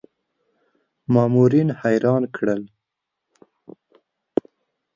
مامورین حیران کړل.